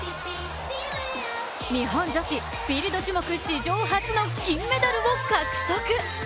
日本女子フィールド種目史上初の金メダルを獲得。